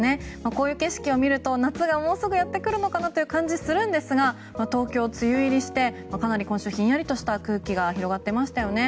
こういう景色を見ると、夏がもうすぐやってくるのかなという感じするんですが東京、梅雨入りして今週はひんやりとした空気が広がっていましたよね。